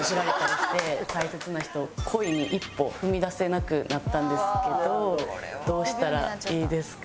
恋に一歩踏み出せなくなったんですけどどうしたらいいですか？